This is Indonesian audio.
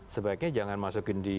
sebaiknya jangan masukin di